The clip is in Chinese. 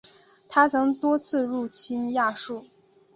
他曾多次入侵亚述。